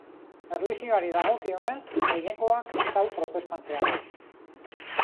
Erlijioari dagokionez, gehiengoa kristau protestantea da.